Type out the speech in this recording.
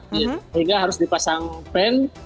sehingga harus dipasang pen